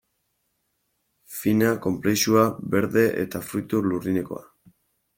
Fina, konplexua, berde eta fruitu lurrinekoa...